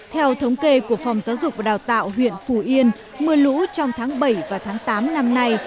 theo thống kê của phòng giáo dục và đào tạo huyện phù yên mưa lũ trong tháng bảy và tháng tám năm nay